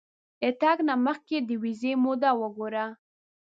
د تګ نه مخکې د ویزې موده وګوره.